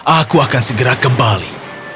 aku akan segera kembali